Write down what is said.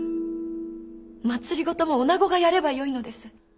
政もおなごがやればよいのです。